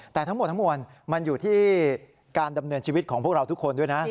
แต่ทั้งหมดทั้งมวลมันอยู่ที่การดำเนินชีวิตของพวกเราทุกคนด้วยนะ